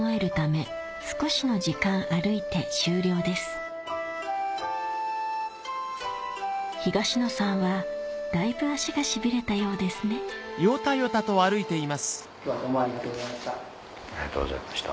最後に東野さんはだいぶ足が痺れたようですねありがとうございました。